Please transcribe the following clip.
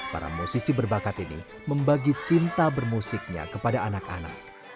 para musisi berbakat ini membagi cinta bermusiknya kepada anak anak